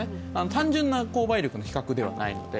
単純な購買力の比較ではないので。